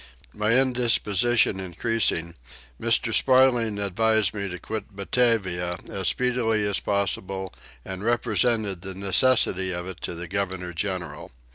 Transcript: My indisposition increasing, Mr. Sparling advised me to quit Batavia as speedily as possible and represented the necessity of it to the governor general.